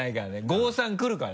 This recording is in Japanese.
５３くるから！